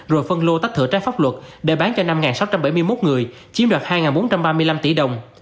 rồi phân lô tách thửa trái pháp luật để bán cho năm sáu trăm bảy mươi một người chiếm đoạt hai bốn trăm ba mươi năm tỷ đồng